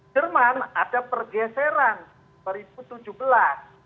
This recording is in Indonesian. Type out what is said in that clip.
jerman ada pergeseran dua ribu tujuh belas